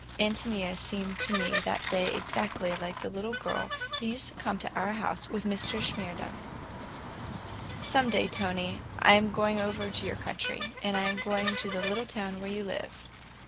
Ántonia seemed to me that day exactly like the little girl who used to come to our house with Mr. Shimerda. "Some day, Tony, I am going over to your country, and I am going to the little town where you lived.